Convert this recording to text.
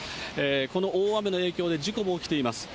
この大雨の影響で、事故も起きています。